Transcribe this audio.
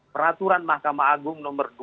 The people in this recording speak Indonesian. peraturan mahkamah agung nomor dua